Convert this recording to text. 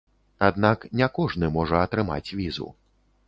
Аднак не кожны можа атрымаць візу.